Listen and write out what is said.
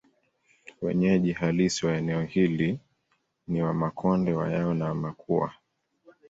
Wanyeji halisi wa eneo hili ni Wamakonde Wayao na Wamakua